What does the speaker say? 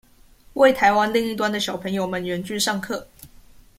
為臺灣另一端的小朋友們遠距上課